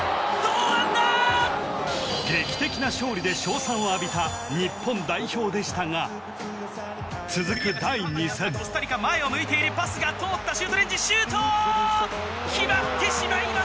劇的な勝利で称賛を浴びた日本代表でしたが続く第２戦前を向いているパスが通ったシュートレンジシュート！